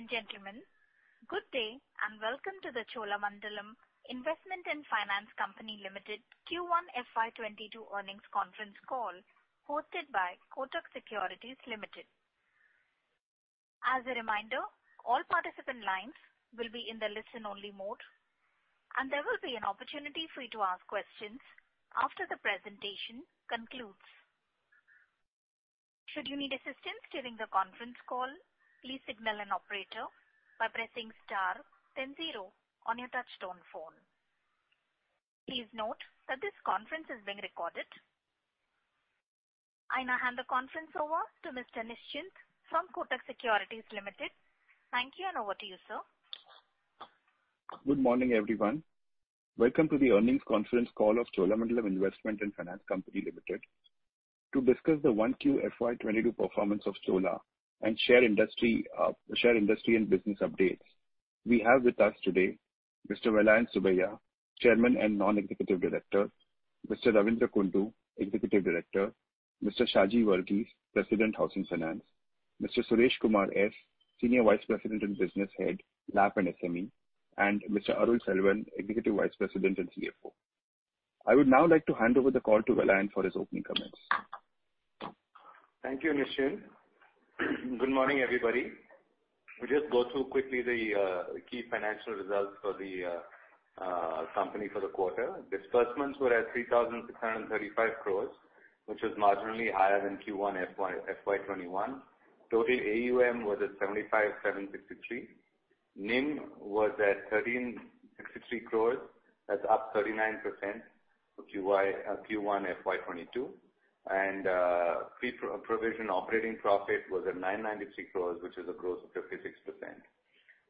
Ladies and gentlemen, good day and welcome to the Cholamandalam Investment and Finance Company Limited Q1 FY 2022 earnings conference call hosted by Kotak Securities Limited. As a reminder, all participant lines will be in the listen-only mode, and there will be an opportunity for you to ask questions after the presentation concludes. Should you need assistance during the conference call, please signal an operator by pressing star then zero on your touch-tone phone. Please note that this conference is being recorded. I now hand the conference over to Mr. Nischint from Kotak Securities Limited. Thank you, and over to you, sir. Good morning, everyone. Welcome to the earnings conference call of Cholamandalam Investment and Finance Company Limited to discuss the 1Q FY 2022 performance of Chola and share industry and business updates. We have with us today Mr. Vellayan Subbiah, Chairman and Non-Executive Director. Mr. Ravindra Kundu, Executive Director. Mr. Shaji Varghese, President, Housing Finance. Mr. Suresh Kumar S, Senior Vice President and Business Head, LAP and SME, and Mr. Arul Selvan, Executive Vice President and CFO. I would now like to hand over the call to Vellayan for his opening comments. Thank you, Nischint. Good morning, everybody. We'll just go through quickly the key financial results for the company for the quarter. Disbursements were at 3,635 crores, which was marginally higher than Q1 FY 2021. Total AUM was at 75,763 crores. NIM was at 1,363 crores. That's up 39% of Q1 FY 2022. Pre-provision operating profit was at 993 crores, which is a growth of 56%.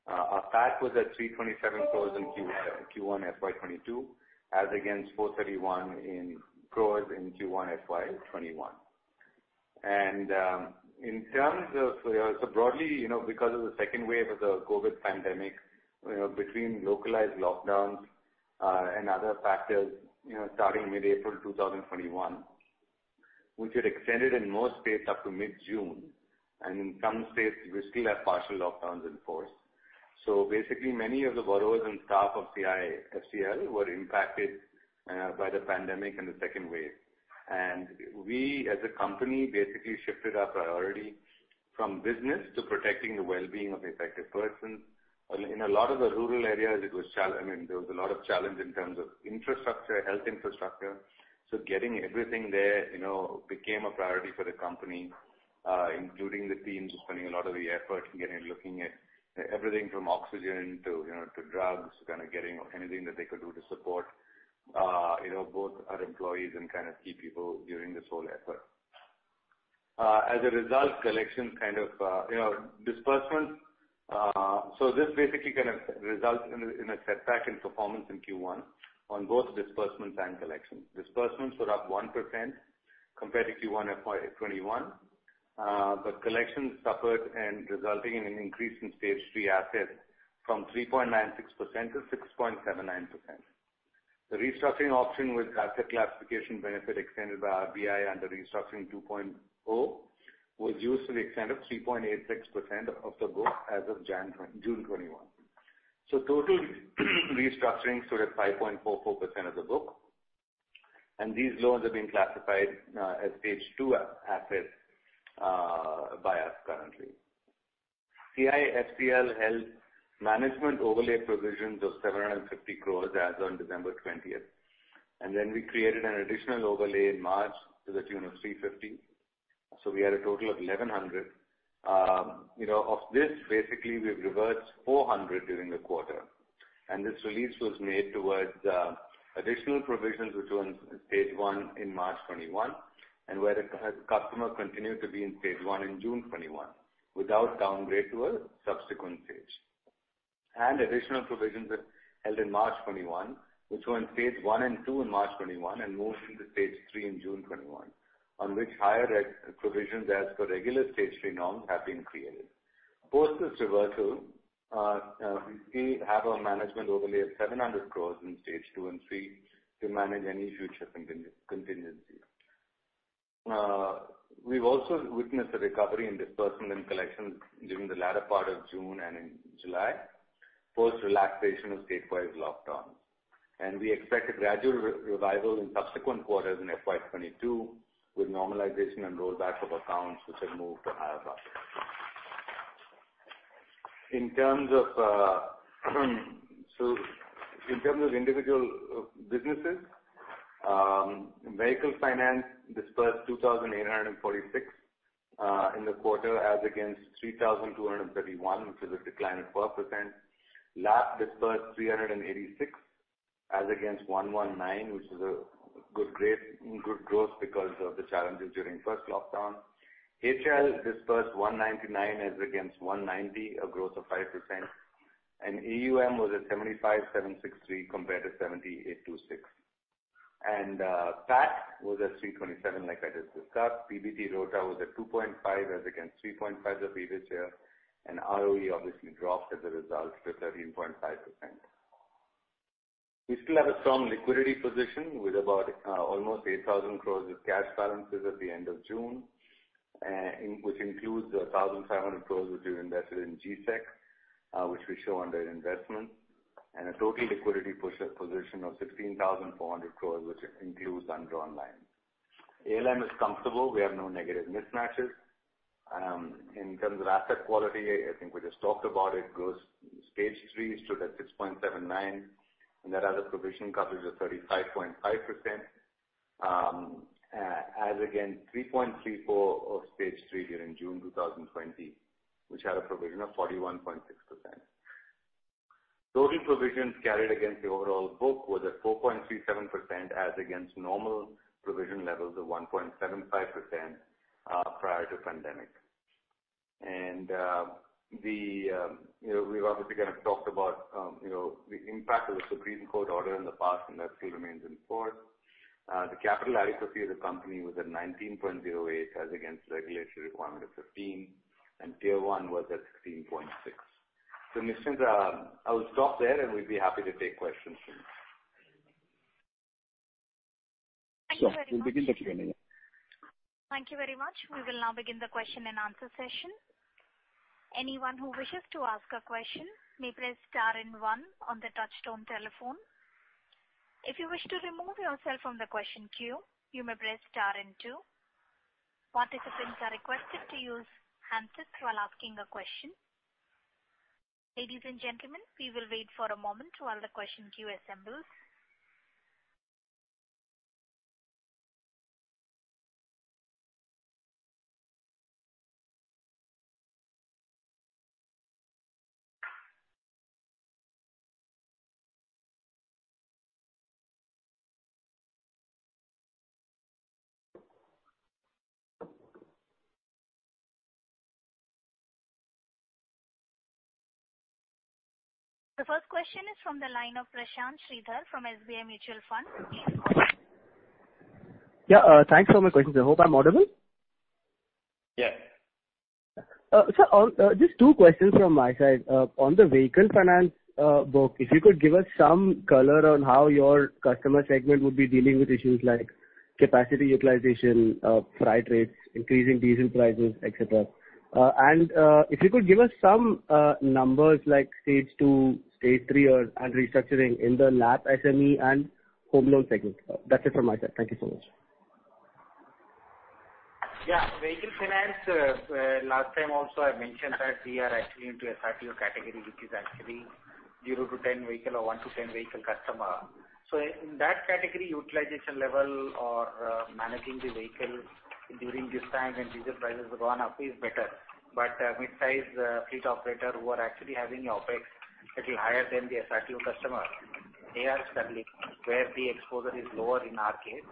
Our PAT was at 327 crores in Q1 FY 2022, as against 431 crores in Q1 FY 2021. Broadly, because of the second wave of the COVID pandemic, between localized lockdowns and other factors starting mid-April 2021, which had extended in most states up to mid-June, and in some states, we still have partial lockdowns in force. Basically, many of the borrowers and staff of CIFCL were impacted by the pandemic and the second wave. We, as a company, basically shifted our priority from business to protecting the well-being of affected persons. In a lot of the rural areas, there was a lot of challenges in terms of infrastructure, health infrastructure. Getting everything there became a priority for the company, including the teams spending a lot of effort in getting and looking at everything from oxygen to drugs, kind of getting anything that they could do to support both our employees and key people during this whole effort. This basically kind of results in a setback in performance in Q1 on both disbursements and collections. Disbursements were up 1% compared to Q1 FY 2021. Collections suffered, and resulting in an increase in Stage 3 assets from 3.96% to 6.79%. The restructuring option with asset classification benefit extended by RBI under Restructuring 2.0 was used to the extent of 3.86% of the book as of June 2021. Total restructurings were at 5.44% of the book, and these loans have been classified as Stage 2 assets by us currently. CIFCL held management overlay provisions of 750 crore as on December 20, and then we created an additional overlay in March to the tune of 350 crore. We had a total of 1,100 crore. Of this, basically, we've reversed 400 crore during the quarter, and this release was made towards additional provisions, which were in Stage 1 in March 2021, and where the customer continued to be in Stage 1 in June 2021 without a downgrade to a subsequent stage. Additional provisions were held in March 2021, which were in Stage 1 and 2 in March 2021, and moved into Stage 3 in June 2021, on which higher provisions as per regular Stage 3 norms have been created. Post this reversal, we have our management overlay of 700 crore in Stage 2 and 3 to manage any future contingencies. We've also witnessed a recovery in disbursement and collections during the latter part of June and in July, post relaxation of statewide lockdowns. We expect a gradual revival in subsequent quarters in FY 2022 with normalization and rollback of accounts which have moved to higher brackets. In terms of individual businesses, vehicle finance disbursed 2,846 in the quarter as against 3,231, which is a decline of 4%. LAP disbursed 386 as against 119, which is a good growth because of the challenges during the first lockdown. HLS disbursed 199 as against 190, a growth of 5%. AUM was at 75,763 compared to 78,206. PAT was at 327, like I just discussed. PBT-ROTA was at 2.5% as against 3.5% the previous year, and ROE obviously dropped as a result to 13.5%. We still have a strong liquidity position with about almost 8,000 crores of cash balances at the end of June, which includes the 1,500 crores which we invested in G-Sec, which we show under investment, and a total liquidity position of 16,400 crores, which includes undrawn line. ALM is comfortable. We have no negative mismatches. In terms of asset quality, I think we just talked about it. Gross Stage 3 stood at 6.79%, and our other provision coverage of 35.5%, as against 3.34% of Stage 3 during June 2020, which had a provision of 41.6%. Total provisions carried against the overall book was at 4.37% as against normal provision levels of 1.75% prior to the pandemic. We've obviously talked about the impact of the Supreme Court order in the past, and that still remains in force. The capital adequacy of the company was at 19.08% as against the regulatory requirement of 15%, and Tier 1 was at 16.6%. Ms. Sandra, I will stop there, and we'll be happy to take questions. Thank you very much. We'll begin the Q&A. Thank you very much. We will now begin the question-and-answer session. Anyone who wishes to ask a question may press star and one on the touch-tone telephone. If you wish to remove yourself from the question queue, you may press star and two. Participants are requested to use hands while asking a question. Ladies and gentlemen, we will wait for a moment while the question queue assembles. The first question is from the line of Prashanth Sridhar from SBI Mutual Fund. Yeah. Thanks for my questions. I hope I'm audible. Yeah. Sir, just two questions from my side. On the vehicle finance book, if you could give us some color on how your customer segment would be dealing with issues like capacity utilization, freight rates, increasing diesel prices, et cetera? If you could give us some numbers like Stage 2, Stage 3, and restructuring in the LAP, SME and home loan segments. That's it from my side. Thank you so much. Vehicle finance, last time also I mentioned that we are actually into the SRTO category, which is actually 0-10 vehicles or 1-10 vehicle customers. In that category, utilization level or managing the vehicle during this time when diesel prices have gone up is better. Midsize fleet operators who are actually having OPEX a little higher than the SRTO customer, they are struggling where the exposure is lower in our case.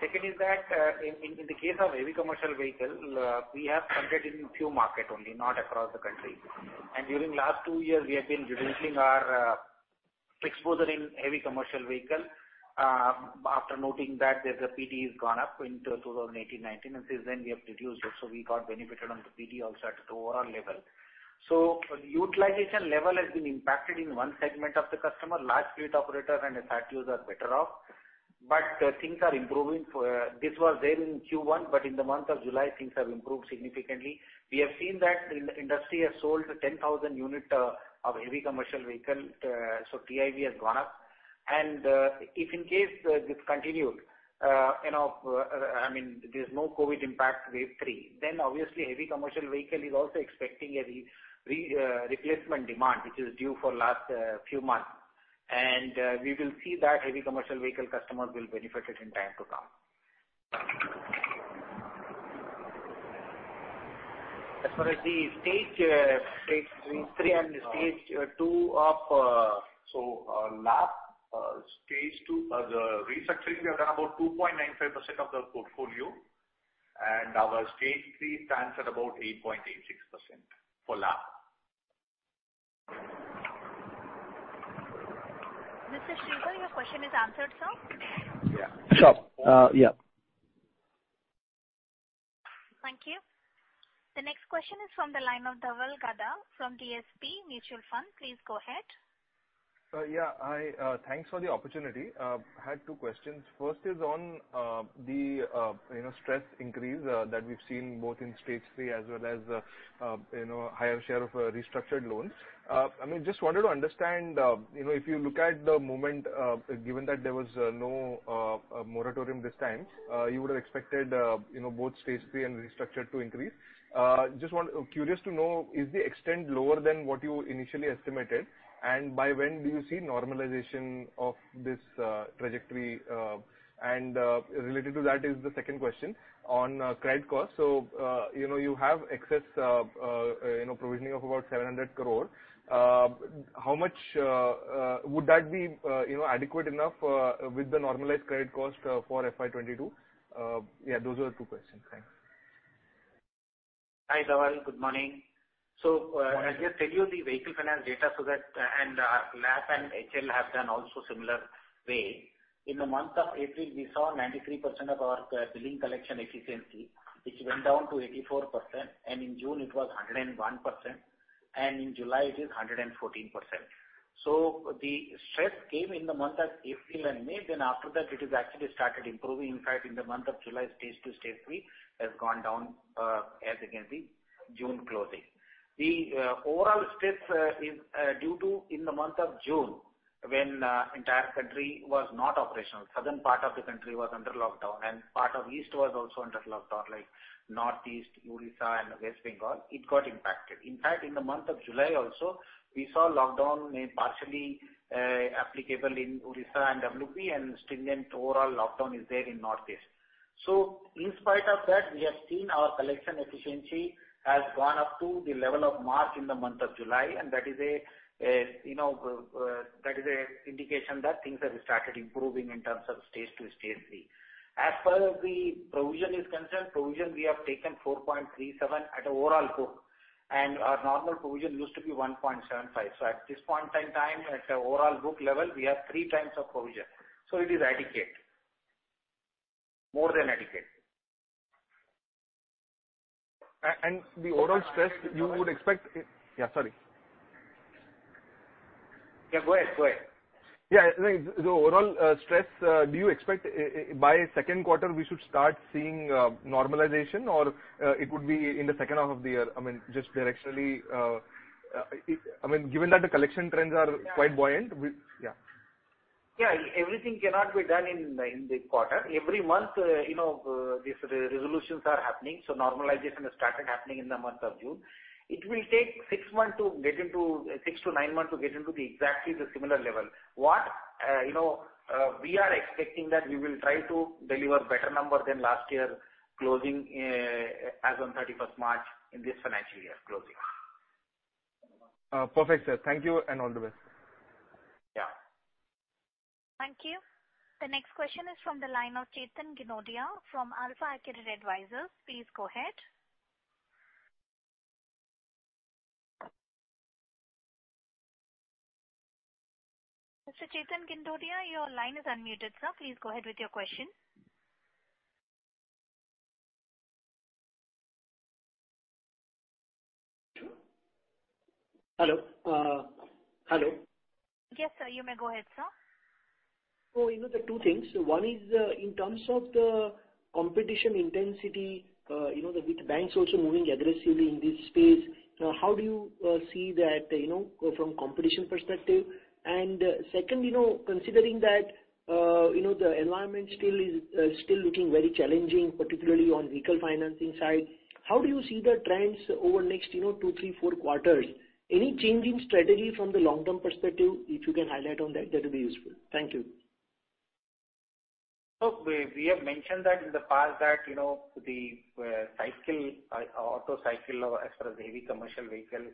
Second is that, in the case of heavy commercial vehicles, we have subject in few markets only, not across the country. During last two years, we have been reducing our exposure in heavy commercial vehicles. After noting that, the PD has gone up in 2018, 2019, since then we have reduced it, we got benefited on the PD also at the overall level. Utilization level has been impacted in one segment of the customer. Large fleet operators and SRTOs are better off. Things are improving. This was there in Q1, but in the month of July, things have improved significantly. We have seen that the industry has sold 10,000 units of heavy commercial vehicles, so TIV has gone up. If in case this continued, there's no COVID impact wave 3, then obviously, heavy commercial vehicle is also expecting a replacement demand, which is due for the last few months. We will see that heavy commercial vehicle customers will benefit in time to come. As far as the Stage 3 and Stage 2 of LAP, the restructuring, we have done about 2.95% of the portfolio, and our Stage 3 stands at about 8.86% for LAP. Mr. Sridhar, your question is answered, sir? Yeah. Sure. Yeah. Thank you. The next question is from the line of Dhaval Gada from DSP Mutual Fund. Please go ahead. Yeah. Thanks for the opportunity. Had two questions. First is on the stress increase that we've seen both in Stage 3 as well as a higher share of restructured loans. I just wanted to understand, if you look at the moment, given that there was no moratorium this time, you would've expected both Stage 3 and restructured to increase. Just curious to know, is the extent lower than what you initially estimated? By when do you see normalization of this trajectory? Related to that is the second question on credit cost. You have excess provisioning of about 700 crore. How much would that be adequate enough with the normalized credit cost for FY 2022? Yeah, those are the two questions. Thanks. Hi, Dhaval. Good morning. As I said, you have the vehicle finance data and LAP, and HL have done also similar way. In the month of April, we saw 93% of our billing collection efficiency, which went down to 84%, in June, it was 101%, in July, it is 114%. The stress came in the months of April and May. After that, it has actually started improving. In fact, in the month of July, Stage 2, Stage 3 has gone down as against the June closing. The overall stress is due to in the month of June when the entire country was not operational. Southern part of the country was under lockdown, part of east was also under lockdown, like Northeast Odisha and West Bengal, it got impacted. In fact, in the month of July also, we saw lockdown partially applicable in Odisha and West Bengal, and a stringent overall lockdown is there in the Northeast. In spite of that, we have seen our collection efficiency has gone up to the level of March in the month of July, and that is an indication that things have started improving in terms of Stage 2, Stage 3. As far as the provision is concerned, provision, we have taken 4.37x at overall book, and our normal provision used to be 1.75x. At this point in time, at the overall book level, we have 3x of provision. It is adequate. More than adequate. The overall stress you would expect, yeah, sorry. Yeah, go ahead. Yeah. The overall stress, do you expect by the second quarter we should start seeing normalization or would it be in the second half of the year? I mean, just directionally, given that the collection trends are quite buoyant. Yeah. Yeah, everything cannot be done in the quarter. Every month, these resolutions are happening. Normalization has started happening in the month of June. It will take six to nine months to get into exactly the similar level. What we are expecting that we will try to deliver better numbers than last year's closing as on 31st March in this financial year closing. Perfect, sir. Thank you and all the best. Yeah. Thank you. The next question is from the line of Chetan Gindodia from AlfAccurate Advisors. Please go ahead. Mr. Chetan Gindodia, your line is unmuted, sir. Please go ahead with your question. Hello. Yes, sir. You may go ahead, sir. The two things. One is in terms of the competition intensity with banks also moving aggressively in this space, how do you see that from competition perspective? Second, considering that the environment is still looking very challenging, particularly on the vehicle financing side, how do you see the trends over the next two, three, four quarters? Any change in strategy from the long-term perspective, if you can highlight on that, will be useful. Thank you. Look, we have mentioned that in the past that the auto cycle, as far as heavy commercial vehicles,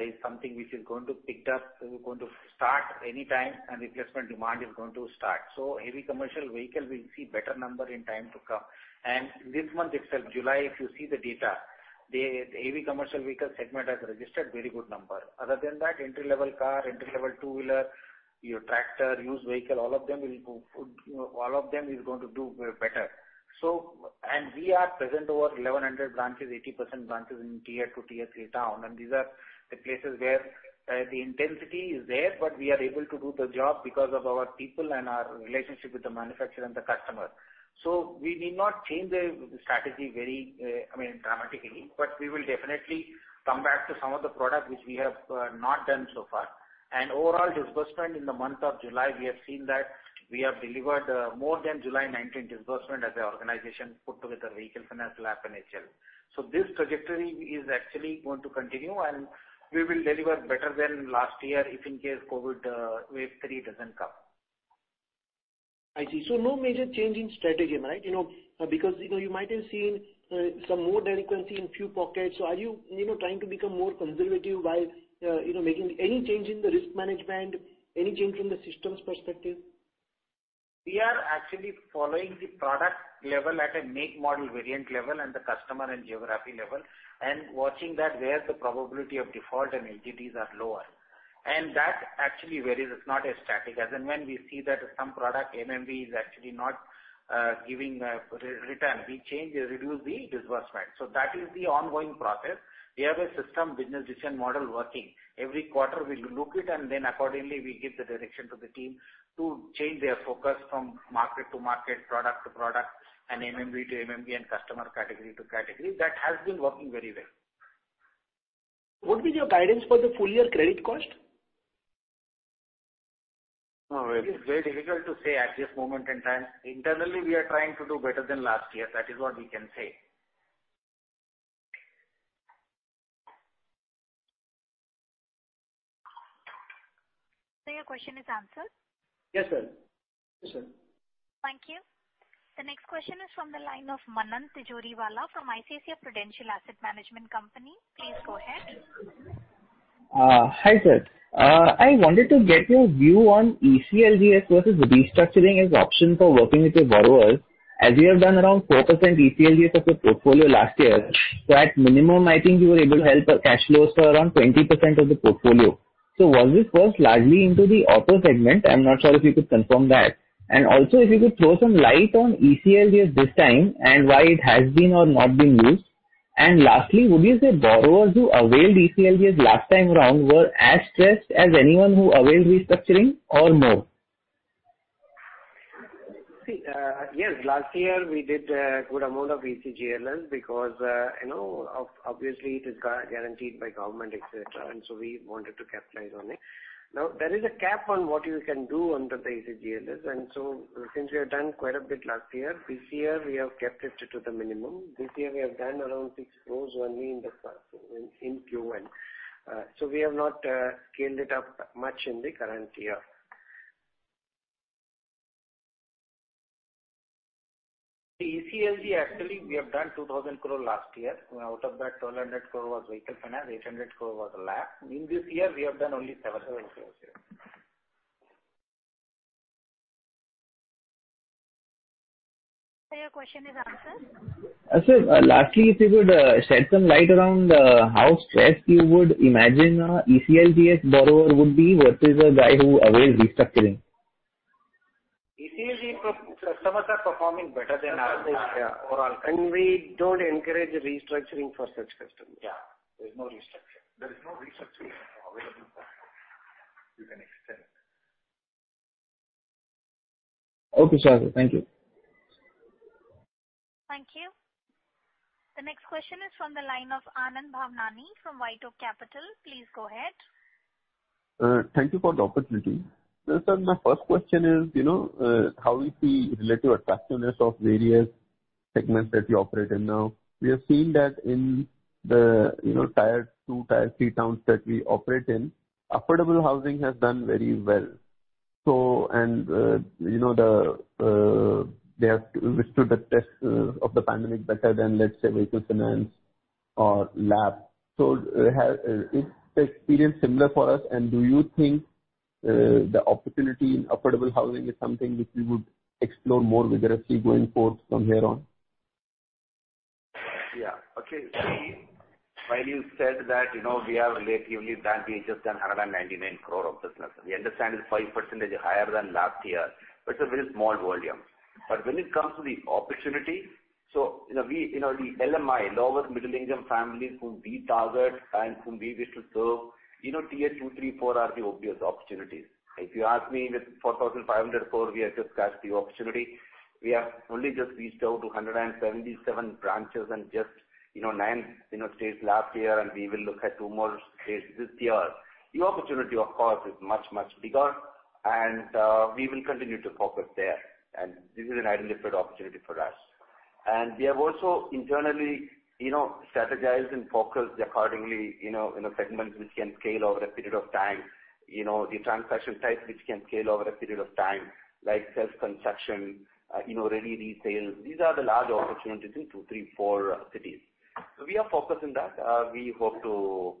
is something which is going to pick up, going to start anytime, and replacement demand is going to start. Heavy commercial vehicles will see better numbers in time to come. This month itself, July, if you see the data, the heavy commercial vehicle segment has registered a very good number. Other than that, entry-level car, entry-level two-wheeler, your tractor, used vehicle, all of them is going to do better. We are present over 1,100 branches, 80% branches in Tier 2, Tier 3 towns. These are the places where the intensity is there, but we are able to do the job because of our people and our relationship with the manufacturer and the customer. We need not change the strategy dramatically, but we will definitely come back to some of the product which we have not done so far. Overall disbursement in the month of July, we have seen that we have delivered more than the July 2019 disbursement as an organization put together vehicle finance, LAP and HL. This trajectory is actually going to continue, and we will deliver better than last year if in case COVID wave 3 doesn't come. I see. No major change in strategy, right? You might have seen some more delinquency in a few pockets. Are you trying to become more conservative by making any change in the risk management, any change from the systems perspective? We are actually following the product level at a make, model, variant level and the customer and geography level and watching that where the probability of default and LGDs are lower. That actually varies. It's not static. As and when we see that some product MMV is actually not giving a return, we change, we reduce the disbursement. That is the ongoing process. We have a system business decision model working. Every quarter we look it, and then accordingly, we give the direction to the team to change their focus from market to market, product to product, and MMV to MMV and customer category to category. That has been working very well. What will be your guidance for the full-year credit cost? No, it is very difficult to say at this moment in time. Internally, we are trying to do better than last year. That is what we can say. Sir, your question is answered? Yes, ma'am. Thank you. The next question is from the line of Manan Tijoriwala from ICICI Prudential Asset Management Company. Please go ahead. Hi, sir. I wanted to get your view on ECLGS versus restructuring as an option for working with your borrowers. We have done around 4% ECLGS of the portfolio last year, so at a minimum, I think you were able to help cash flows for around 20% of the portfolio. Was this the first largely into the auto segment? I'm not sure if you could confirm that. Also, if you could throw some light on ECLGS this time and why it has been or not been used. Lastly, would you say borrowers who availed ECLGS last time around were as stressed as anyone who availed restructuring or more? See, yes, last year we did a good amount of ECLGS because obviously it is guaranteed by the government, et cetera, we wanted to capitalize on it. Now, there is a cap on what you can do under the ECLGS, since we have done quite a bit last year, this year we have kept it to the minimum. This year, we have done around 6 crore only in Q1. We have not scaled it up much in the current year. The ECLGS, actually, we have done 2,000 crore last year. Out of that, 1,200 crore was vehicle finance, 800 crore was LAP. In this year we have done only 700 crore. Sir, your question is answered. Sir, lastly, if you could shed some light around how stressed you would imagine a ECLGS borrower would be versus a guy who avails restructuring? ECLGS customers are performing better than our overall customers. We don't encourage restructuring for such customers. Yeah. There is no restructuring. There is no restructuring available for that. You can extend it. Okay. Sure, sir. Thank you. Thank you. The next question is from the line of Anand Bhavnani from White Oak Capital. Please go ahead. Thank you for the opportunity. Sir, my first question is, how do you see the relative attractiveness of various segments that you operate in now? We have seen that in the Tier 2, Tier 3 towns that we operate in, affordable housing has done very well. They have withstood the test of the pandemic better than, let's say, vehicle finance or LAP. Is the experience similar for us, and do you think the opportunity in affordable housing is something which we would explore more vigorously going forth from here on? Yeah. Okay. While you said that we have just done 199 crore of business. We understand it's 5% higher than last year; it's a very small volume. When it comes to the opportunity, the LMI, lower middle income families, whom we target and whom we wish to serve, Tier 2, Tier 3, Tier 4 are the obvious opportunities. If you ask me, with 4,500 crore, we have just scratched the opportunity. We have only just reached out to 177 branches and just nine states last year, we will look at two more states this year. The opportunity, of course, is much, much bigger, we will continue to focus there. This is an identified opportunity for us. We have also internally strategized and focused accordingly in a segment which can scale over a period of time. The transaction types which can scale over a period of time, like self-construction, ready retail. These are the large opportunities in two, three, four cities. We are focused on that. We hope to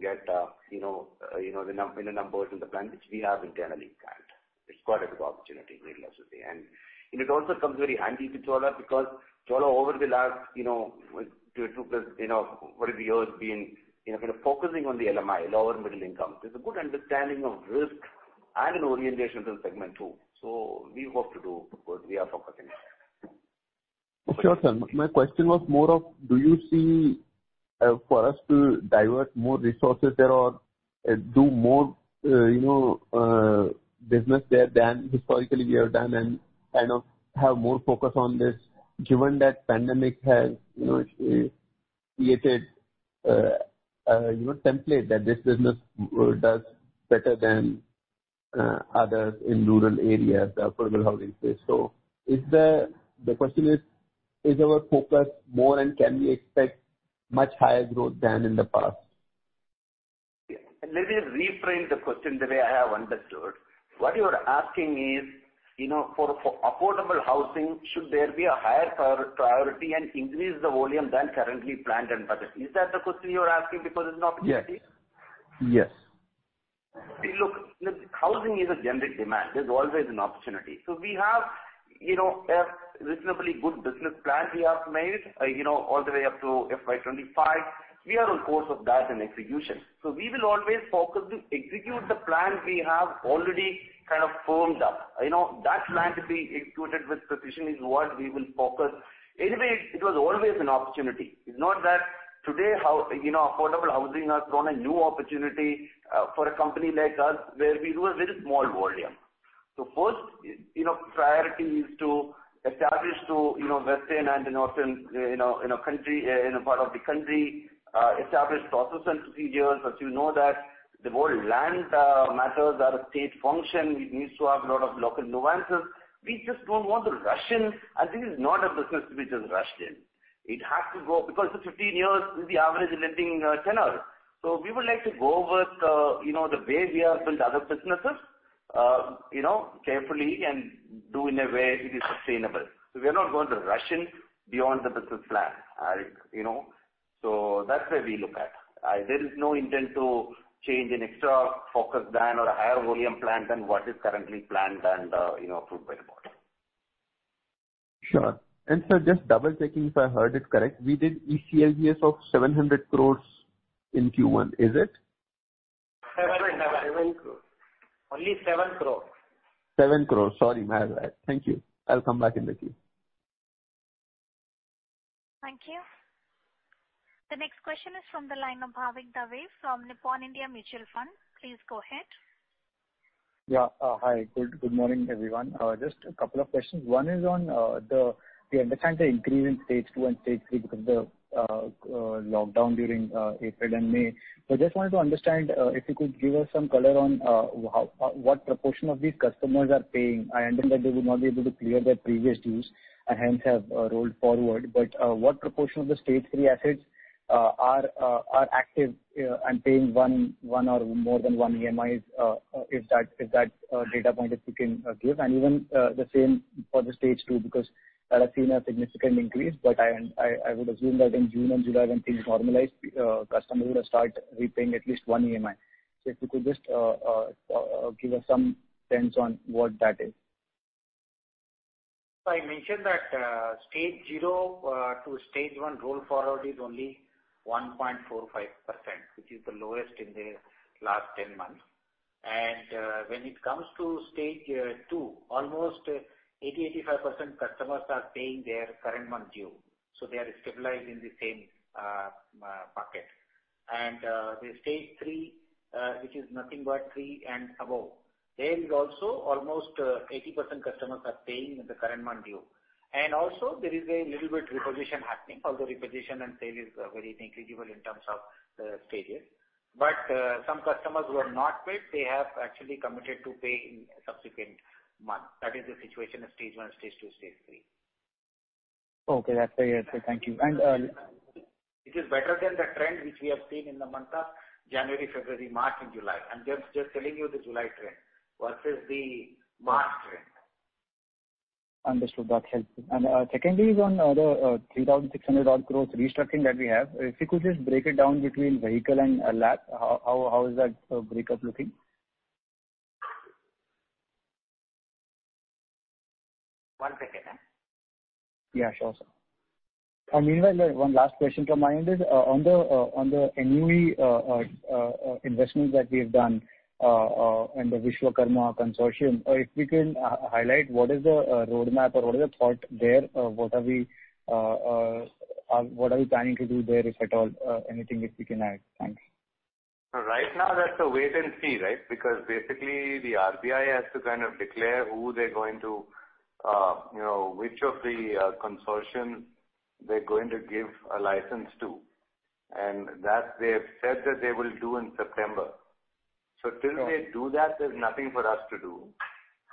get the numbers and the plan which we have internally planned. It's quite a good opportunity, needless to say. It also comes very handy to Chola because Chola, over the last 22+, whatever years, been kind of focusing on the LMI, lower middle income. There's a good understanding of risk and an orientation to the segment, too. We hope to do good. We are focusing on that. Sure, sir. My question was more of, do you see for us to divert more resources there or do more business there than historically we have done, and kind of have more focus on this, given that pandemic has created a template that this business does better than others in rural areas, the affordable housing space? The question is our focus is more and can we expect much higher growth than in the past? Yes. Let me reframe the question the way I have understood. What you are asking is, for affordable housing, should there be a higher priority and increase the volume than currently planned and budgeted? Is that the question you are asking, because it is an opportunity? Yes. Look, housing is a generic demand. There's always an opportunity. We have a reasonably good business plan, we have made all the way up to FY 2025. We are on course of that in execution. We will always focus to execute the plan we have already kind of firmed up. That plan to be executed with precision is what we will focus. Anyway, it was always an opportunity. It's not that today affordable housing has grown a new opportunity for a company like us, where we do a very small volume. First priority is to establish to Western and the Northern part of the country, establish process and procedures. As you know that, the whole land matters are a state function, it needs to have a lot of local nuances. We just don't want to rush in, and this is not a business to be just rushed in. It has to grow because 15 years is the average lending tenure. We would like to go with the way we have built other businesses, carefully and do in a way it is sustainable. We are not going to rush in beyond the business plan. You know. That's where we look at. There is no intent to change an extra-focused plan or a higher-volume plan than what is currently planned and approved by the board. Sure. Sir, just double-checking if I heard it correct, we did ECLGS of 700 crore in Q1, is it? 7 crore. Only 7 crore. 7 crore. Sorry, my bad. Thank you. I'll come back in the queue. Thank you. The next question is from the line of Bhavik Dave from Nippon India Mutual Fund. Please go ahead. Hi. Good morning, everyone. Just a couple of questions. One is on the, we understand the increase in Stage 2 and Stage 3 because of the lockdown during April and May. I just wanted to understand if you could give us some color on what proportion of these customers are paying. I understand that they would not be able to clear their previous dues and hence have rolled forward. What proportion of the Stage 3 assets are active and paying one or more than one EMIs, if that data point you can give, and even the same for the Stage 2, because that has seen a significant increase. I would assume that in June and July, when things normalized, customers would have started repaying at least one EMI. If you could just give us some sense on what that is. I mentioned that Stage 0 to Stage 1 roll forward is only 1.45%, which is the lowest in the last 10 months. When it comes to Stage 2, almost 80%, 85% customers are paying their current month's due. They are stabilized in the same bucket. The Stage 3, which is nothing but 3% and above, there is also almost 80% customers are paying the current month due. Also, there is a little bit of repossession happening, although repossession and sale is very negligible in terms of the Stages. Some customers who have not paid, they have actually committed to pay in subsequent month. That is the situation of Stage 1, Stage 2, Stage 3. Okay. That's very helpful. Thank you. Which is better than the trend which we have seen in the months of January, February, March and July. I am just telling you the July trend versus the March trend. Understood. That helps. Secondly is on the 3,600-odd growth restructuring that we have. If you could just break it down between the vehicle and LAP. How is that breakup looking? One second. Yeah, sure. One last question come mind is on the NUE investments that we have done and the Vishwakarma consortium, if we can highlight what the roadmap is or what is the thought there, what are we planning to do there, if at all, anything which we can add. Thanks. Right now, that's a wait-and-see, right? Basically, the RBI has to kind of declare which of the consortium they're going to give a license to. They have said that they will do in September. Till they do that, there's nothing for us to do.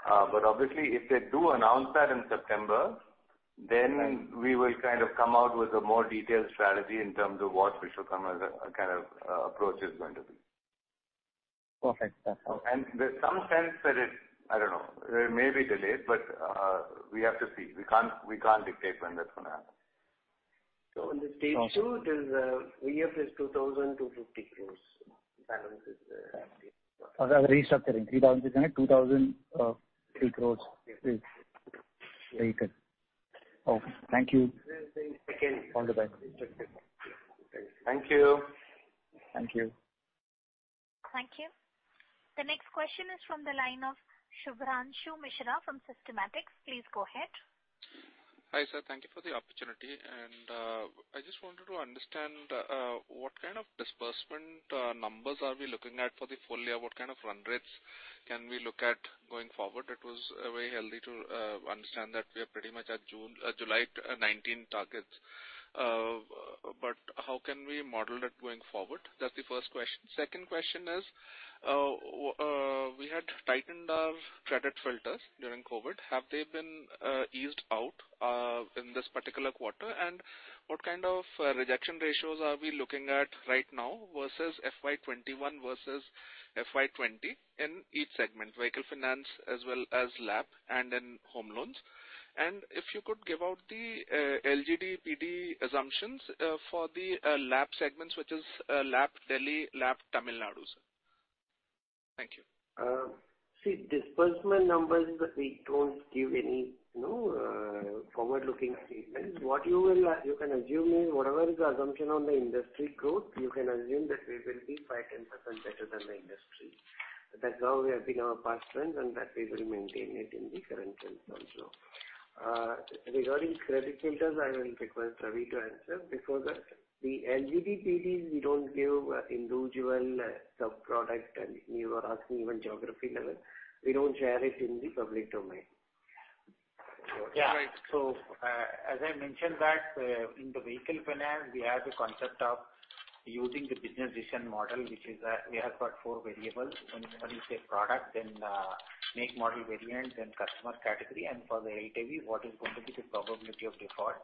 Obviously, if they do announce that in September, then we will kind of come out with a more detailed strategy in terms of what Vishwakarma's kind of approach is going to be. Perfect. There's some sense that it, I don't know, may be delayed, but we have to see. We can't dictate when that's going to happen. In the Stage 2, there's a VF is 2,000 crore-50 crore balances. Of the restructuring of INR 3,600, INR 2,000 crore is for vehicles. Okay. Thank you. Thank you. Thank you. Thank you. The next question is from the line of Shubhranshu Mishra from Systematix. Please go ahead. Hi, sir. Thank you for the opportunity. I just wanted to understand what kind of disbursement numbers we are looking at for the full year. What kind of run rates can we look at going forward? It was very healthy to understand that we are pretty much at July 2019 targets. How can we model it going forward? That's the first question. Second question is, we had tightened our credit filters during COVID. Have they been eased out in this particular quarter? What kind of rejection ratios are we looking at right now versus FY 2021 versus FY 2020 in each segment, vehicle finance, as well as LAP and in-home loans? If you could give out the LGD PD assumptions for the LAP segments, which is LAP Delhi, LAP Tamil Nadu, sir. Thank you. Disbursement numbers, we don't give any forward-looking statements. What you can assume is whatever the assumption is on the industry growth, you can assume that we will be 5%-10% better than the industry. That's how we have been in our past trends, and that we will maintain it in the current trends also. Regarding credit filters, I will request Ravi to answer. Before that, the LGD PDs we don't give individual sub-products, and you are asking even geography level. We don't share it in the public domain. Yeah. As I mentioned that, in vehicle finance, we have the concept of using the business decision model, which is we have got four variables. When you say product, then make a model variant, then customer category, and for the LTV, what is going to be the probability of default?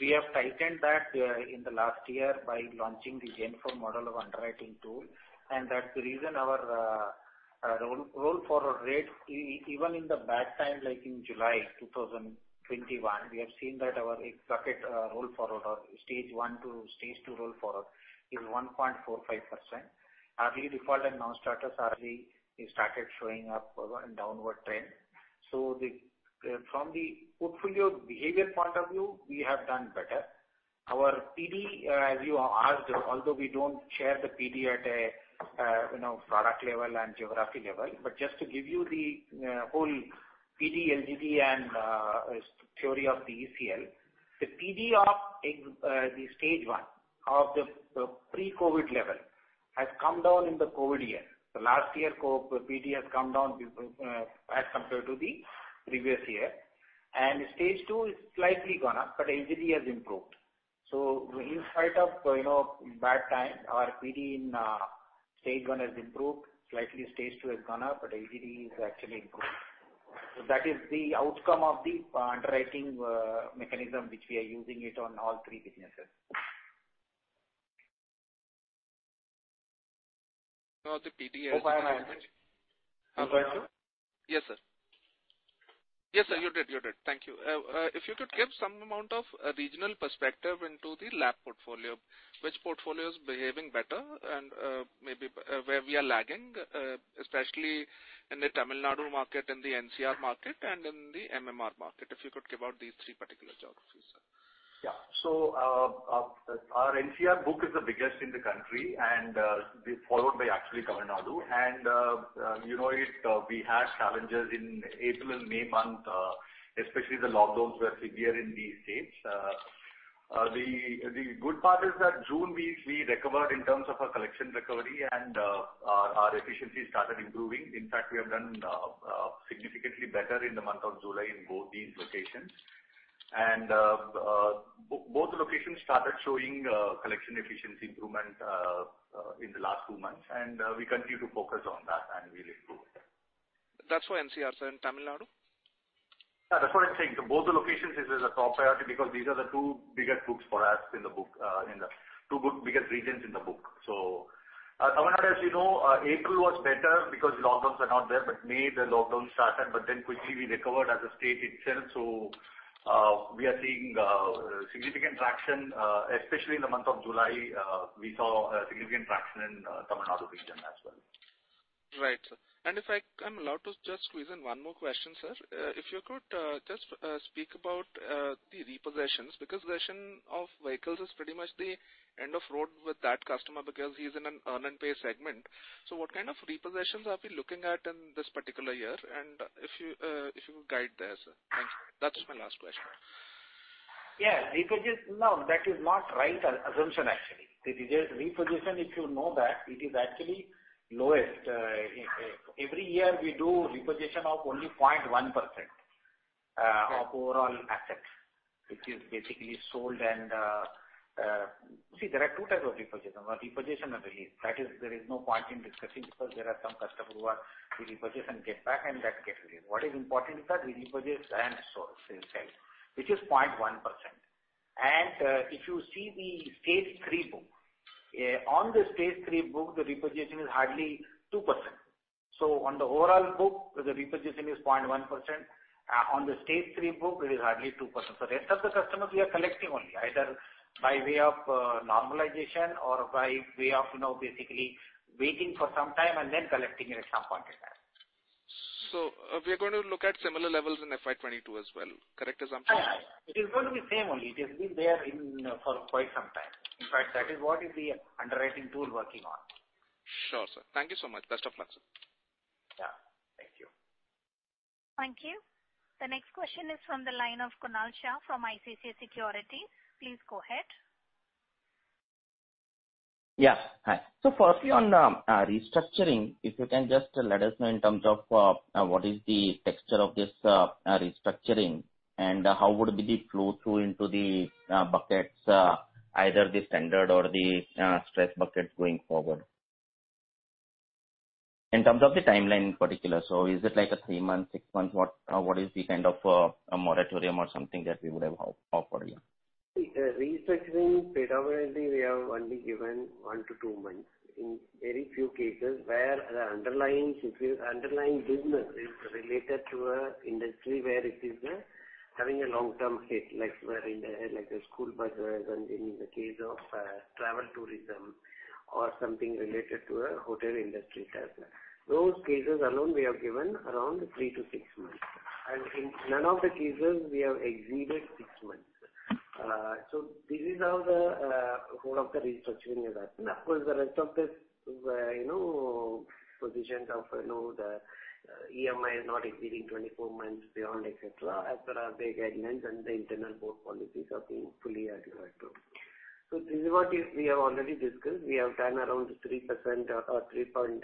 We have tightened that in the last year by launching the Gen 4 model of the underwriting tool. That's the reason our roll forward rates, even in the bad times like in July 2021, we have seen that our bucket roll forward or Stage 1 to Stage 2 roll forward is 1.45%. Early default and non-starters already started showing up on a downward trend. From the portfolio behaviour point of view, we have done better. Our PD, as you asked, although we don't share the PD at a product level and geography level, but just to give you the whole PD, LGD and theory of the ECL. The PD of the Stage 1 of the pre-COVID level has come down in the COVID year. Last year, PD has come down as compared to the previous year, and Stage 2 is slightly gone up, but LGD has improved. In spite of the bad time, our PD in Stage 1 has improved slightly Stage 2 has gone up, but LGD has actually improved. That is the outcome of the underwriting mechanism which we are using it on all three businesses. No, the PD- Over and out. Yes, sir. Yes, sir, you did. Thank you. If you could give some amount of regional perspective into the LAP portfolio, which portfolio is behaving better and maybe where we are lagging, especially in the Tamil Nadu market, the NCR market and in the MMR market, if you could give out these three particular geographies. Yeah. Our NCR book is the biggest in the country, and followed by actually Tamil Nadu. We had challenges in April and May month, especially the lockdowns were severe in these states. The good part is that in June, we recovered in terms of our collection recovery, and our efficiency started improving. In fact, we have done significantly better in the month of July in both these locations. Both locations started showing collection efficiency improvement in the last two months, and we continue to focus on that, and we will improve it. That's for NCR, sir. Tamil Nadu? That's what I'm saying. Both the locations, this is a top priority because these are the two biggest regions in the book. Tamil Nadu, as you know, April was better because lockdowns were not there. In May, the lockdowns started, but then quickly we recovered as a state itself. We are seeing significant traction, especially in the month of July. We saw significant traction in Tamil Nadu region as well. Right. If I am allowed to just squeeze in one more question, sir. If you could just speak about the repossessions, because possession of vehicles is pretty much the end of the road with that customer, because he's in an earn and pay segment. What kind of repossessions are we looking at in this particular year? If you could guide there, sir. Thank you. That's my last question. Yes. No, that is not the right assumption, actually. The repossession, if you know that it is actually lowest. Every year, we do repossession of only 0.1% of overall assets, which is basically sold. There are two types of repossession. One, repossession and release. That is, there is no point in discussing because there are some customers we repossess and get back and that gets released. What is important is that we repossess and sell, which is 0.1%. If you see the Stage 3 book, on the Stage 3 book, the repossession is hardly 2%. On the overall book, the repossession is 0.1%. On the Stage 3 book, it is hardly 2%. Rest of the customers, we are collecting only either by way of normalization or by way of basically waiting for some time and then collecting it at some point in time. We are going to look at similar levels in FY 2022 as well. Correct assumption? Yes. It is going to be same only. It has been there for quite some time. In fact, that is what the underwriting tool is working on. Sure, sir. Thank you so much. Best of luck, sir. Yeah. Thank you. Thank you. The next question is from the line of Kunal Shah from ICICI Securities. Please go ahead. Yeah, hi. Firstly, on restructuring, if you can just let us know in terms of what the texture of this restructuring is and how would be the flow through into the buckets, either the standard or the stress bucket going forward. In terms of the timeline in particular, is it like three months, six months? What is the kind of moratorium or something that we would have hoped for here? Restructuring predominantly, we have only given one to two months. In very few cases, where the underlying business is related to an industry where it is having a long-term hit, like the school buses and in the case of travel tourism or something related to the hotel industry. Those cases alone, we have given around three to six months. In none of the cases we have exceeded six months. This is how the whole of the restructuring has happened. Of course, the rest of these positions of the EMI not exceeding 24 months beyond et cetera, as per our guidelines and the internal board policies, are being fully adhered to. This is what we have already discussed. We have done around 3% or 3.6%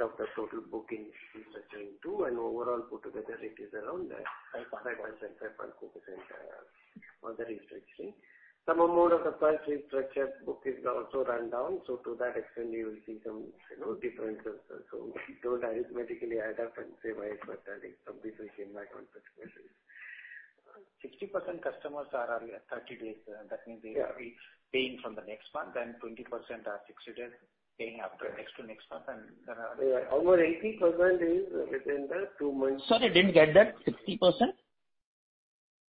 of the total book in Restructuring 2.0, and overall, put together it is around 5.2% of the restructuring. Some amount of the first restructured book is also rundown. To that extent, you will see some differences. Those arithmetically add up and say why it was adding. Some differences came back on such cases. 60% customers are at 30 days. Means they will be paying from the next month, and 20% are fixed it as paying after next to next month. Over 80% is within the two months. Sorry, didn't get that. 60%?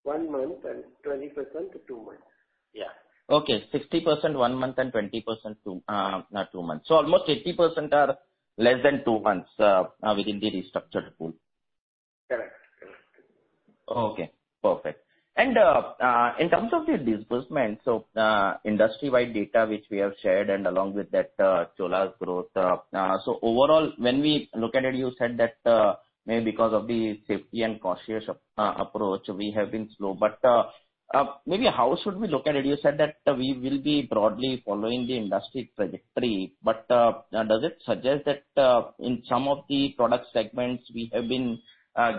One month and 20% to two months. Yeah. Okay, 60% one month and 20% two months. Almost 80% are less than two months within the restructured pool. Correct. Okay, perfect. In terms of the disbursement, industry-wide data, which we have shared, along with Chola's growth. Overall, when we look at it, you said that maybe because of the safety and cautious approach, we have been slow. Maybe how should we look at it? You said that we will be broadly following the industry trajectory. Does it suggest that in some of the product segments we have been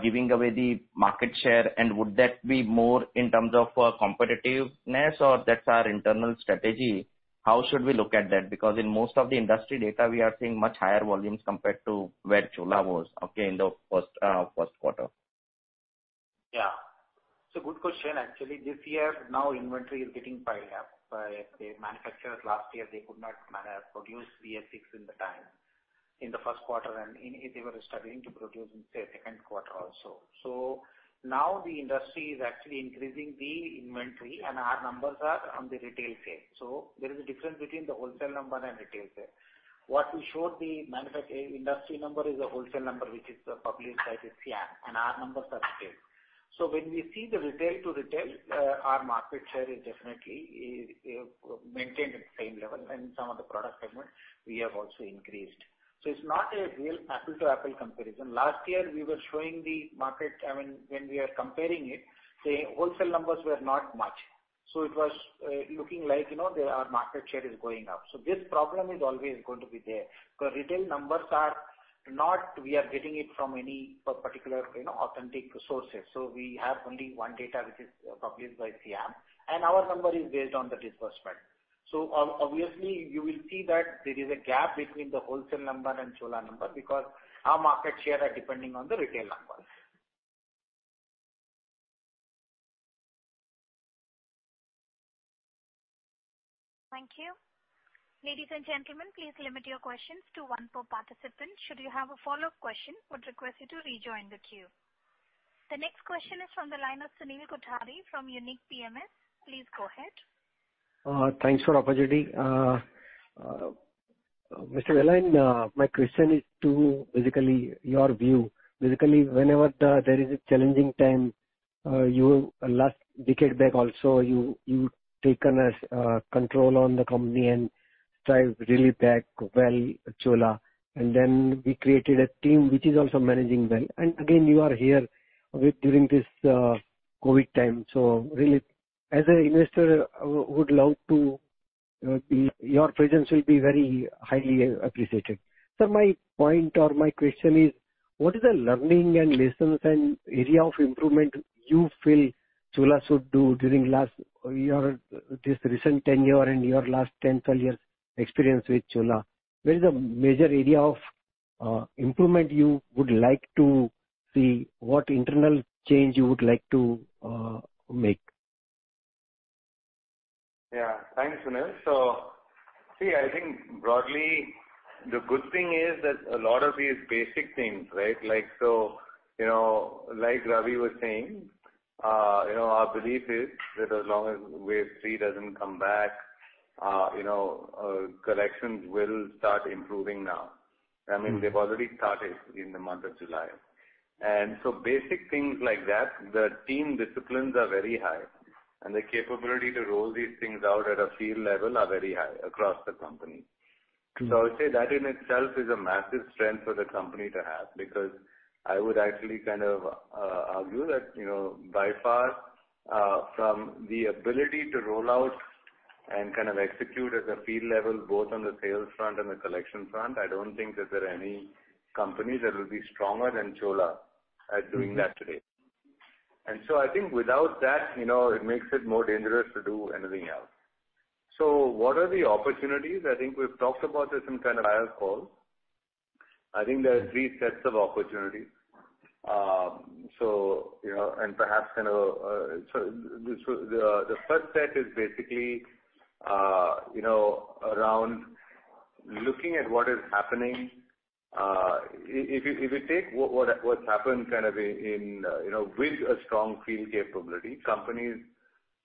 giving away the market share, and would that be more in terms of competitiveness, or that's our internal strategy? How should we look at that? In most of the industry data, we are seeing much higher volumes compared to where Chola was, okay, in the first quarter. Yeah. It's a good question. Actually, this year now inventory is getting piled up by the manufacturers. Last year, they could not produce BS-VI in the time in the first quarter, and they were struggling to produce in, say, second quarter also. Now the industry is actually increasing the inventory, and our numbers are on the retail sales. There is a difference between the wholesale number and retail sales. What we showed the industry number is a wholesale number, which is published by SIAM, and our numbers are scaled. When we see the retail-to-retail, our market share is definitely maintained at the same level and some of the product segments we have also increased. It's not a real apple-to-apple comparison. Last year, we were showing the market, I mean, when we are comparing it, the wholesale numbers were not much. It was looking like our market share is going up. This problem is always going to be there, because retail numbers are not, we are getting it from any particular authentic sources. We have only one data, which is published by SIAM, and our number is based on the disbursement. Obviously, you will see that there is a gap between the wholesale number and Chola number because our market share are depending on the retail numbers. Thank you. Ladies and gentlemen, please limit your questions to one per participant. Should you have a follow-up question, we would request you to rejoin the queue. The next question is from the line of Sunil Kothari from Unique PMS. Please go ahead. Thanks for the opportunity. Mr. Vellayan, my question is to basically about your view. Basically, whenever there is a challenging time, last decade back also, you'd taken control on the company and strived really back well, Chola, and then we created a team which is also managing well. Again, you are here with during this COVID time. Really, as an investor who would love to be, your presence will be very highly appreciated. Sir, my point or my question is what is the learning and lessons and area of improvement you feel Chola should do during this recent tenure and your last 10, 12 years of experience with Chola? What is a major area of improvement you would like to see? What internal change would you like to make? Yeah. Thanks, Sunil. See, I think broadly the good thing is that a lot of these basic things, right? Like Ravi was saying, our belief is that as long as wave 3 doesn't come back, collections will start improving now. I mean, they've already started in the month of July. Basic things like that, the team disciplines are very high, and the capability to roll these things out at a field level are very high across the company. I would say that in itself is a massive strength for the company to have because I would actually kind of argue that, by far, from the ability to roll out and kind of execute at a field level, both on the sales front and the collection front, I don't think that there are any companies that will be stronger than Chola at doing that today. I think without that, it makes it more dangerous to do anything else. What are the opportunities? I think we've talked about this in kind of prior calls. I think there are three sets of opportunities. Perhaps kind of the first set is basically around looking at what is happening. If you take what's happened kind of with a strong field capability,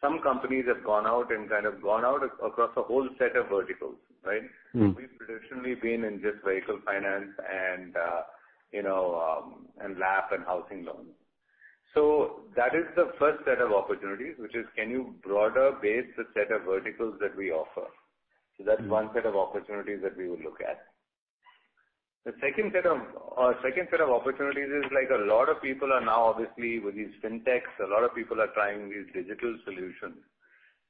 some companies have gone out and kind of gone out across a whole set of verticals, right? We've traditionally been in just vehicle finance, and LAP and housing loans. That is the first set of opportunities, which is can you broader base of the set of verticals that we offer? That's one set of opportunities that we would look at. The second set of opportunities is like a lot of people are now obviously with these fintechs, a lot of people are trying these digital solutions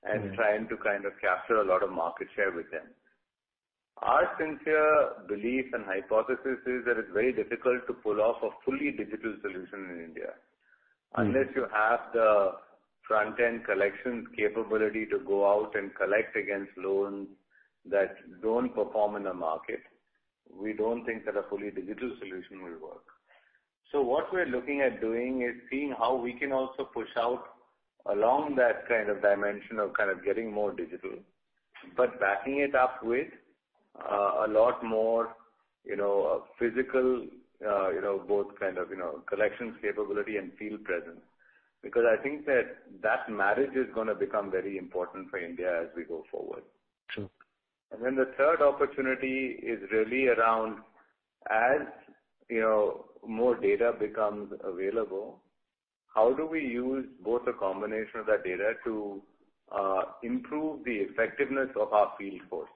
and trying to kind of capture a lot of market share with them. Our sincere belief and hypothesis is that it's very difficult to pull off a fully digital solution in India. Unless you have the front-end collections capability to go out and collect against loans that don't perform in the market, we don't think that a fully digital solution will work. What we're looking at doing is seeing how we can also push out along that kind of dimension, of kind of getting more digital, but backing it up with a lot more physical, both kinds of collections capability and field presence. I think that marriage is going to become very important for India as we go forward. Sure. The third opportunity is really around, as more data becomes available, how do we use both the combination of that data to improve the effectiveness of our field force,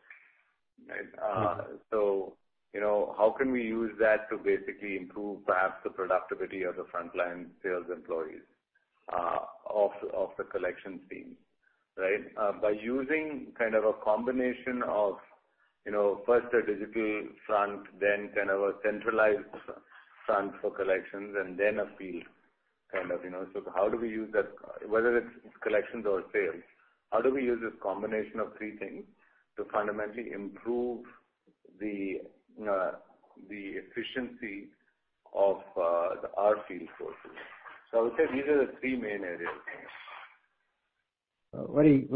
right? How can we use that to basically improve, perhaps, the productivity of the frontline sales employees of the collection team, right? By using a kind of combination of first a digital front, then a kind of a centralized front for collections and then a field kind of. How do we use that, whether it's collections or sales, how do we use this combination of three things to fundamentally improve the efficiency of our field forces? I would say these are the three main areas. Very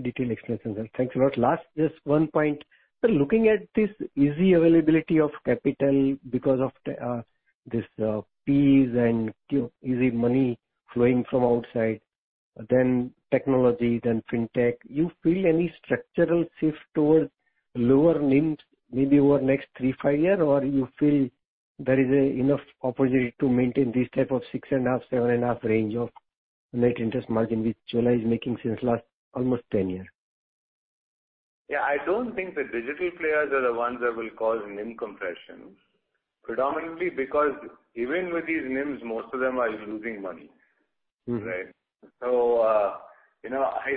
detailed explanation, sir. Thanks a lot. Last, just one point. Sir, looking at this easy availability of capital because of these fees and easy money flowing from outside, then technology, then fintech, you feel any structural shift towards lower NIM maybe over the next three, five years, or you feel there is enough opportunity to maintain this type of 6.5%, 7.5% range of net interest margin, which Chola is making since last almost 10 years? I don't think the digital players are the ones that will cause NIM compression. Predominantly because even with these NIMs, most of them are losing money. Right? I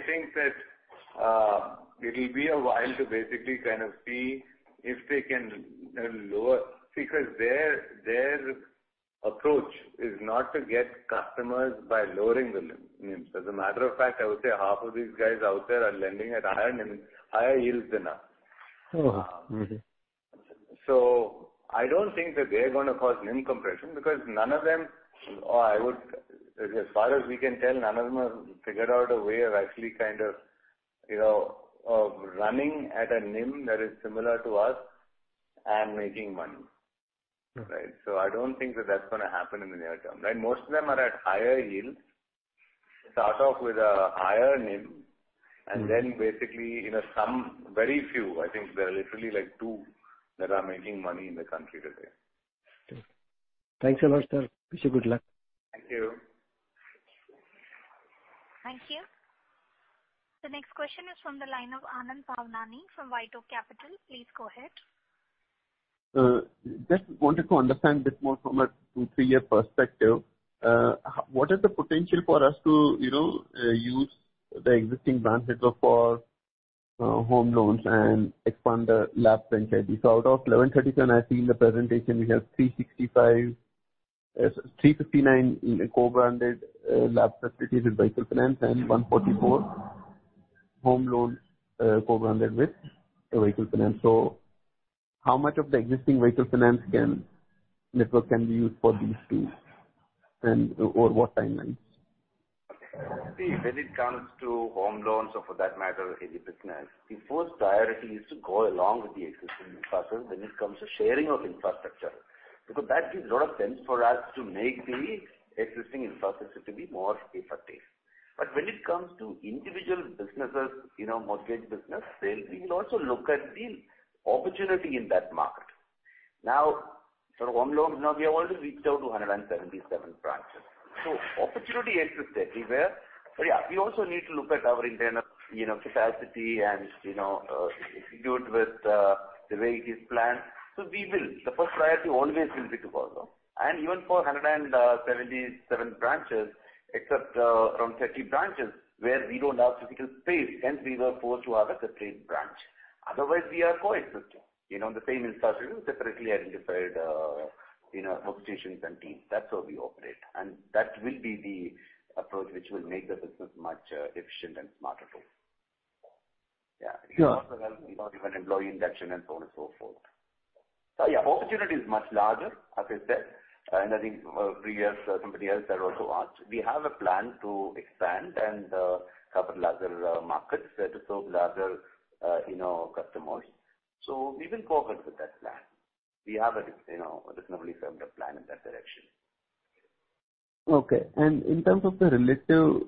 think that it'll be a while to basically kind of see if they can lower, because their approach is not to get customers by lowering the NIMs. As a matter of fact, I would say half of these guys out there are lending at higher NIMs, higher yields than us. Oh, wow. Mm-hmm. I don't think that they're going to cause NIM compression because none of them, or as far as we can tell, none of them have figured out a way of actually kind of running at a NIM that is similar to us and making money. Okay. I don't think that's going to happen in the near term. Most of them are at higher yields. Start off with a higher NIM. Basically, some very few, I think there are literally like two that are making money in the country today. Okay. Thanks a lot, sir. Wish you good luck. Thank you. Thank you. The next question is from the line of Anand Bhavnani from White Oak Capital. Please go ahead. Just wanted to understand this more from a two, three-year perspective. What is the potential for us to use the existing branch network for home loans and expand the LAP franchise? Out of 1,137, I see in the presentation, we have 359 co-branded LAP facilities with vehicle finance and 144 home loan co-branded with vehicle finance. How much of the existing vehicle finance network can be used for these two, and over what timelines? When it comes to home loans or, for that matter, any business, the first priority is to go along with the existing infrastructure when it comes to the sharing of infrastructure. That is a lot of sense for us to make the existing infrastructure to be more effective. When it comes to individual businesses, mortgage business sales, we will also look at the opportunity in that market. For home loans, now we have already reached out to 177 branches. Opportunity exists everywhere. Yeah, we also need to look at our internal capacity and execute with the way it is planned. We will. The first priority will always be to follow. Even for 177 branches, except around 30 branches where we don't have physical space, hence we were forced to have a separate branch. Otherwise, we are co-existing. The same infrastructure, separately identified workstations and teams. That's how we operate. That will be the approach which will make the business much efficient and smarter, too. Yeah. It will also help in even employee induction and so on and so forth. Yeah, opportunity is much larger, as I said. I think previously, somebody else had also asked. We have a plan to expand and cover larger markets to serve larger customers. We will go ahead with that plan. We have a reasonably firm plan in that direction. Okay. In terms of the relative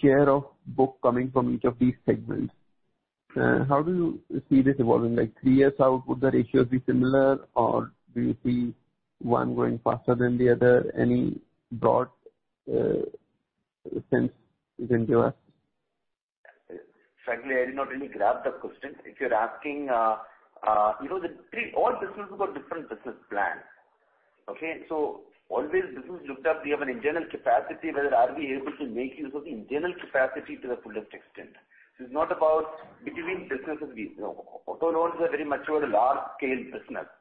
share of books coming from each of these segments, how do you see this evolving? Like three years out, would the ratios be similar, or do you see one growing faster than the other? Any broad sense you can give us? Frankly, I did not really grab the question. If you're asking, all businesses have got different business plans, okay? Always, business looked up, we have an internal capacity, whether are we able to make use of the internal capacity to the fullest extent. This is not about between businesses. Auto loans are very much a large-scale business,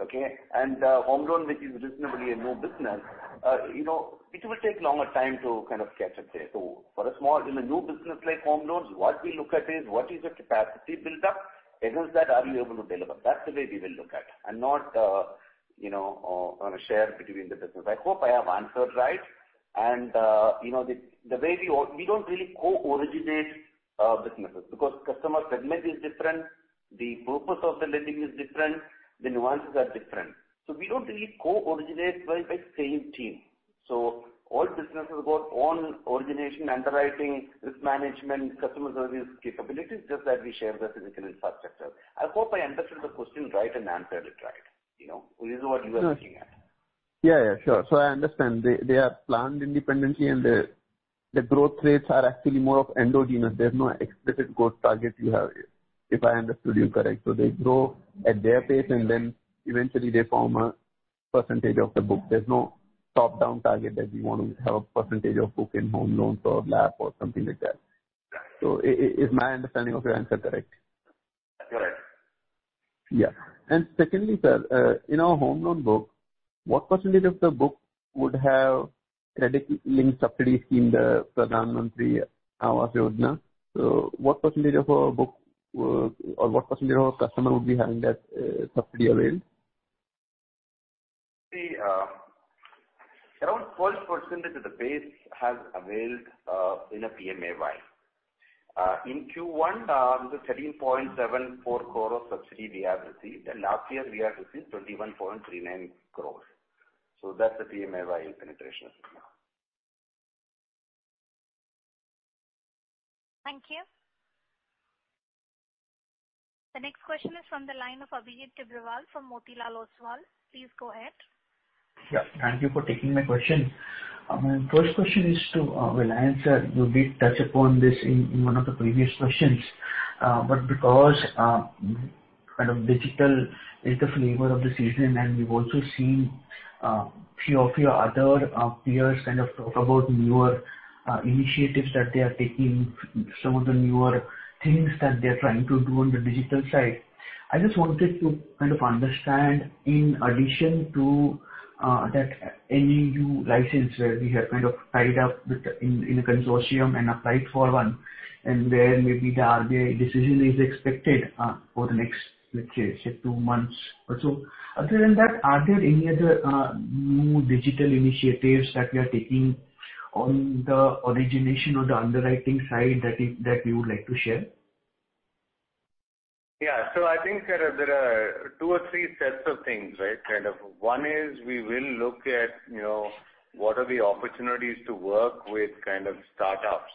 okay? Home loan, which is reasonably a new business, it will take a longer time to kind of catch up there. For a small, in a new business like home loans, what we look at is what is the capacity built up, against that, are we able to deliver? That's the way we will look at, and not on a share between the business. I hope I have answered right. We don't really co-originate businesses because the customer segment is different, the purpose of the lending is different, the nuances are different. We don't really co-originate by same team. All businesses got own origination underwriting, risk management, customer service capabilities, just that we share the physical infrastructure. I hope I understood the question right and answered it right. Is this what you were looking at? Yeah. Sure. I understand. They are planned independently, and their growth rates are actually more of endogenous. There is no explicit growth target you have, if I understood you correctly. They grow at their pace, and then eventually they form a percentage of the book. There is no top-down target that you want to have a percentage of book in home loans, or LAP, or something like that. Right. Is my understanding of your answer correct? You're right. Yeah. Secondly, sir, in our home loan book, what percentage of the book would have the credit-linked subsidy scheme, the Pradhan Mantri Awas Yojana? What percentage of our books or what percentage of our customers would be having that subsidy availed? Around 12% of the base has availed in a PMAY. In Q1, the 17.74 crore subsidy we have received, and last year we have received 21.39 crore. That's the PMAY penetration as of now. Thank you. The next question is from the line of Abhijit Tibrewal from Motilal Oswal. Please go ahead. Yeah, thank you for taking my question. My first question is to Vellayan Subbiah, sir. You did touch upon this in one of the previous questions. Because digital is the flavor of the season, and we've also seen a few of your other peers talk about newer initiatives that they are taking, some of the newer things that they're trying to do on the digital side. I just wanted to understand, in addition to that NUE license where we have tied up in a consortium and applied for one, and where maybe the Reserve Bank of India decision is expected for the next, let's say, two months or so. Other than that, are there any other new digital initiatives that you are taking on the origination or the underwriting side that you would like to share? I think there are two or three sets of things. One is we will look at what are the opportunities to work with startups.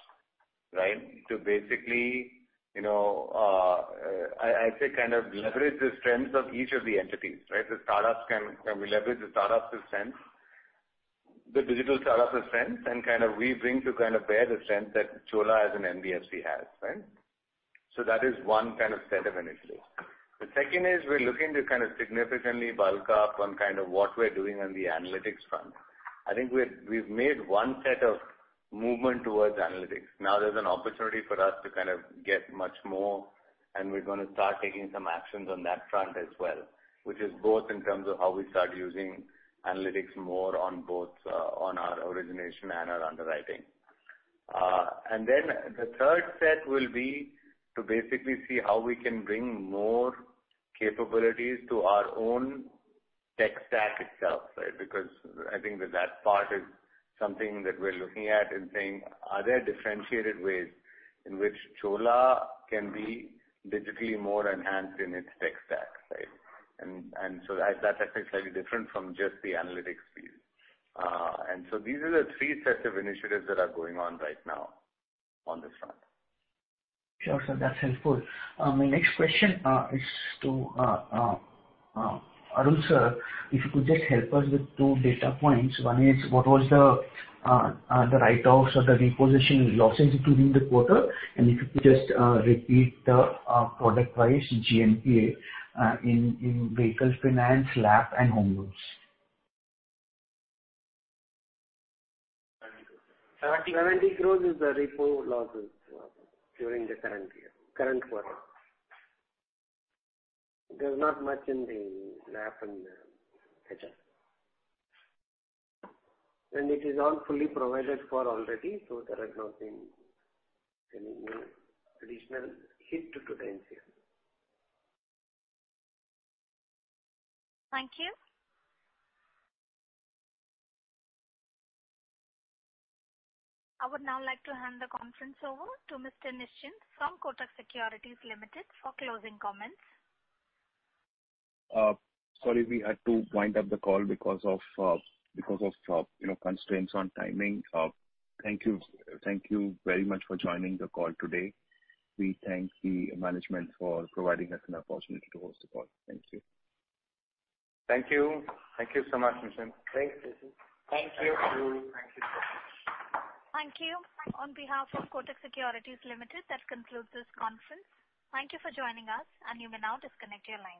To basically, I'd say, leverage the strengths of each of the entities. We leverage the digital startups' strengths, and we bring to bear the strengths that Chola, as an NBFC has. That is one set of initiatives. The second is we're looking to significantly bulk up on what we're doing on the analytics front. I think we've made one set of movement towards analytics. There's an opportunity for us to get much more, and we're going to start taking some actions on that front as well, which is both in terms of how we start using analytics more on both on our origination and our underwriting. The third set will be to basically see how we can bring more capabilities to our own tech stack itself. I think that part is something that we're looking at and saying, are there differentiated ways in which Chola can be digitally more enhanced in its tech stack? That's slightly different from just the analytics piece. These are the three sets of initiatives that are going on right now on this front. Sure, sir, that's helpful. My next question is to Arul sir. If you could just help us with two data points. One is what was the write-offs or the repossession losses during the quarter? If you could just repeat the product-wise GNPA in vehicle finance, LAP, and home loans. 70 crore is the repo losses during the current quarter. There's not much in the LAP and HL. It is all fully provided for already, so there has not been any more additional hit to the P&L. Thank you. I would now like to hand the conference over to Mr. Nischint from Kotak Securities Limited for closing comments. Sorry, we had to wind up the call because of constraints on timing. Thank you very much for joining the call today. We thank the management for providing us an opportunity to host the call. Thank you. Thank you. Thank you so much, Nischint. Thanks, Nischint. Thank you. Thank you. Thank you. On behalf of Kotak Securities Limited, that concludes this conference. Thank you for joining us, and you may now disconnect your lines.